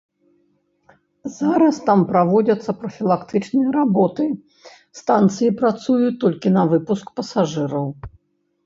Зараз там праводзяцца прафілактычныя работы, станцыі працуюць толькі на выпуск пасажыраў.